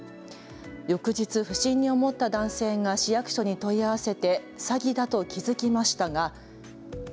翌日、不審に思った男性が市役所に問い合わせて詐欺だと気付きましたが。